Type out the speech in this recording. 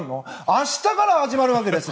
明日から始まるわけです。